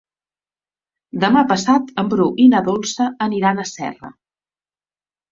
Demà passat en Bru i na Dolça aniran a Serra.